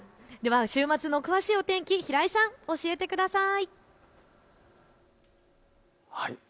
週末の詳しいお天気、平井さん、教えてください。